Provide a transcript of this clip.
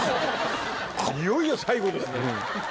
いよいよ最後ですね。